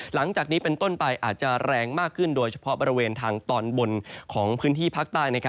หลังจากนี้เป็นต้นไปอาจจะแรงมากขึ้นโดยเฉพาะบริเวณทางตอนบนของพื้นที่ภาคใต้